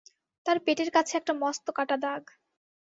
তার পেটের কাছে একটা মস্ত কাটা দাগ।